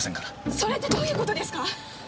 それってどういう事ですか！？